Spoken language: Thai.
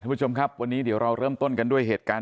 ผู้ชมครับวันนี้เดี๋ยวเราเริ่มต้นกันด้วยเหตุการณ์